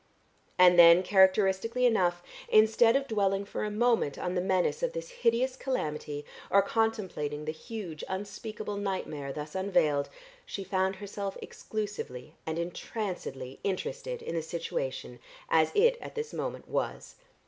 And then characteristically enough, instead of dwelling for a moment on the menace of this hideous calamity or contemplating the huge unspeakable nightmare thus unveiled, she found herself exclusively and entrancedly interested in the situation as it at this moment was.